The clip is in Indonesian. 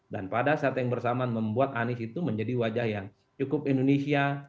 dan pada saat yang bersamaan membuat anies itu menjadi wajah yang cukup indonesia